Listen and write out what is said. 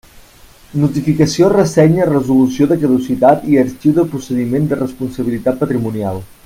Notificació ressenya resolució de caducitat i arxiu de procediment de responsabilitat patrimonial.